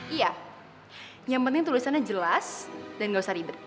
iya yang penting tulisannya jelas dan nggak usah ribet